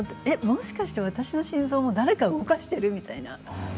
もしかして私の心臓も誰かが動かしてる？みたいな。